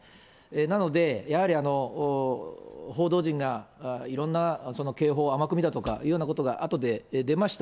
なので、やはり報道陣がいろんな警報を甘く見たとかいうようなことが、あとで出ました。